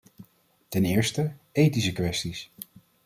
Ten eerste, ethische kwesties.